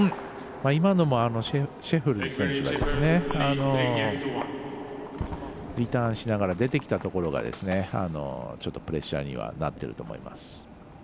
今のもシェフェルス選手がリターンしながら出てきたところがちょっと、プレッシャーにはなっていると思います。